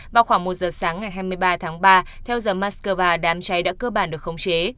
vào khoảng một giờ sáng ngày hai mươi ba tháng ba theo giờ moscow đám cháy đã cơ bản được khống chế